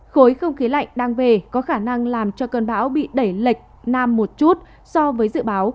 khối không khí lạnh đang về có khả năng làm cho cơn bão bị đẩy lệch nam một chút so với dự báo